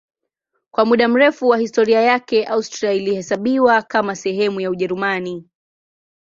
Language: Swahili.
Kwa muda mrefu wa historia yake Austria ilihesabiwa kama sehemu ya Ujerumani.